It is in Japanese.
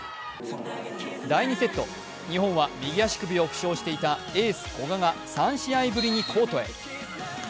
第２セット、日本は右足首を負傷していたエース・古賀が３試合ぶりにコートへ。